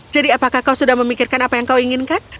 jadi apakah kau sudah memikirkan apa yang kau inginkan